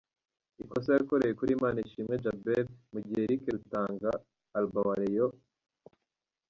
ikosa yakoreye kuri Manishimwe Djabel mu gihe Eric Rutanga Alba wa Rayon.